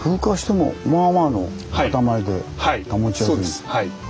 そうですはい。